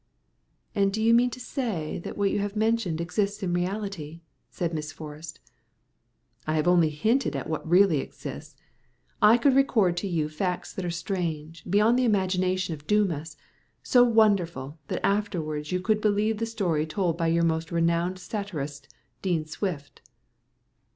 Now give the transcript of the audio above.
"And do you mean to say that what you have mentioned exists in reality?" said Miss Forrest. "I have only hinted at what really exists. I could record to you facts that are strange, beyond the imagination of Dumas; so wonderful, that afterwards you could believe the stories told by your most renowned satirist, Dean Swift."